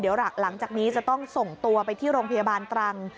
เดี๋ยวหลังจากนี้จะต้องส่งตัวไปที่โรงพยาบาลตรัง